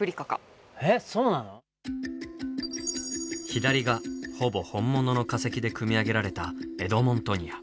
左がほぼ本物の化石で組み上げられたエドモントニア。